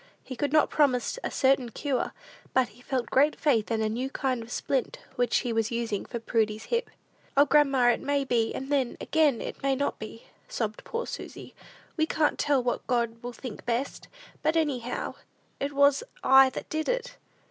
He could not promise a certain cure, but he felt great faith in a new kind of splint which he was using for Prudy's hip. "O, grandma, it may be, and then, again, it may not be," sobbed poor Susy; "we can't tell what God will think best; but anyhow, it was I that did it."